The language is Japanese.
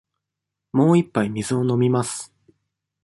もう一杯水を飲みます。